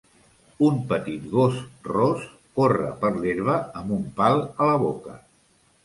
un petit gos ros corre per l'herba amb un pal a la boca